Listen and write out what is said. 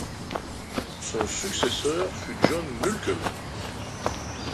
Son successeur fut John Muckle.